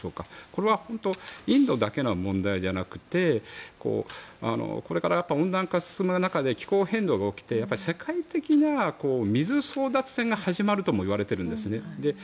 これは本当にインドだけの問題じゃなくてこれから温暖化が進む中で気候変動が起きて世界的な水争奪戦が始まるともいわれているんですね。